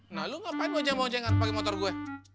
nah lu ngapain mau jeng bong jengan pake motor gua